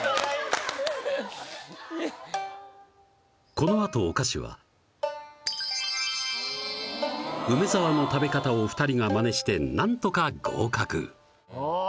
このあとお菓子は梅沢の食べ方を２人がマネしてなんとか合格ああー